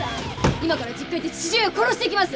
今から実家行って父親殺してきます！